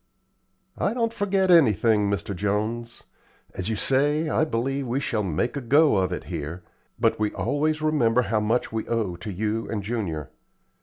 "I don't forget anything, Mr. Jones. As you say, I believe we shall 'make a go' of it here, but we always remember how much we owe to you and Junior.